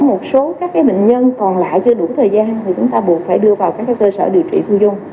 một số các bệnh nhân còn lại chưa đủ thời gian thì chúng ta buộc phải đưa vào các cơ sở điều trị thu dung